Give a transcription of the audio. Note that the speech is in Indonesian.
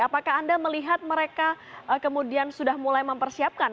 apakah anda melihat mereka kemudian sudah mulai mempersiapkan